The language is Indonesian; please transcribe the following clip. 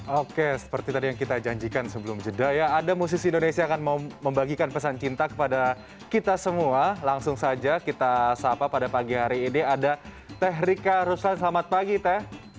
oke seperti tadi yang kita janjikan sebelum jeda ya ada musisi indonesia akan membagikan pesan cinta kepada kita semua langsung saja kita sapa pada pagi hari ini ada teh rika ruslan selamat pagi teh